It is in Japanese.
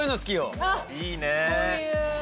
いいねぇ。